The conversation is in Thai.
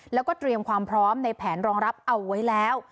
แล้วก็เตรียมความพร้อมในแผนรองรับเอาไว้แล้ว